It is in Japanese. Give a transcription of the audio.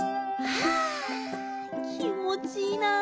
あきもちいいな。